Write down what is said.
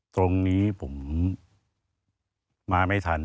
ตรงนี้ผมมาไม่ทัน